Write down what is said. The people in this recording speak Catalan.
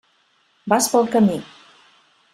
Vas pel camí.